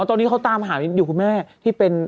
ตอนนี้เขาตามหาอยู่คุณแม่ที่เป็น